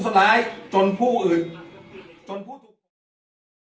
ตำรวจแห่งมือ